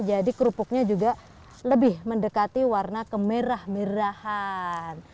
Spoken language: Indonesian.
jadi kerupuknya juga lebih mendekati warna kemerah merahan